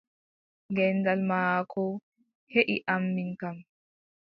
Gendal maako heʼi am min kam!